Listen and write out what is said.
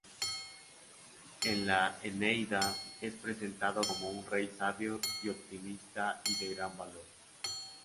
En la "Eneida" es presentado como un rey sabio, optimista y de gran valor.